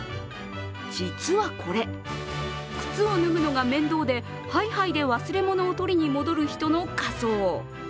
実はこれ、靴を脱ぐのが面倒でハイハイで忘れ物を取りに戻る人の仮装。